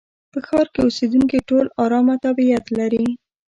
په ښار کې اوسېدونکي ټول ارامه طبيعت لري.